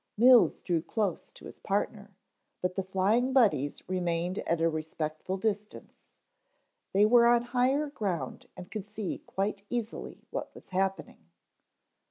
Mills drew close to his partner, but the Flying Buddies remained at a respectful distance. They were on higher ground and could see quite easily what was happening.